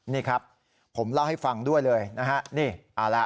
นี่ครับผมเล่าให้ฟังด้วยเลยนะฮะ